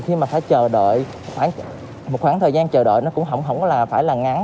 khi mà phải chờ đợi một khoảng thời gian chờ đợi nó cũng không phải là ngắn